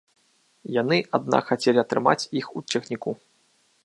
Яны, аднак, хацелі атрымаць іх у цягніку.